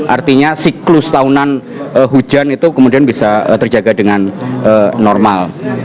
artinya siklus tahunan hujan itu kemudian bisa terjaga dengan normal